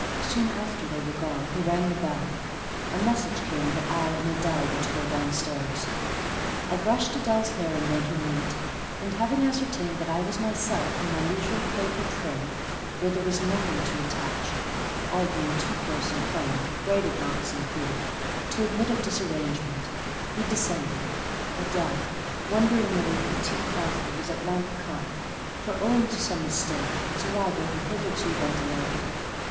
Soon after they were gone he rang the bell: a message came that I and Adèle were to go downstairs. I brushed Adèle's hair and made her neat, and having ascertained that I was myself in my usual Quaker trim, where there was nothing to retouch—all being too close and plain, braided locks included, to admit of disarrangement—we descended, Adèle wondering whether the petit coffre was at length come; for, owing to some mistake, its arrival had hitherto been delayed.